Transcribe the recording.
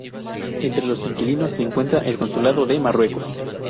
Entre los inquilinos se encuentra el consulado de Marruecos.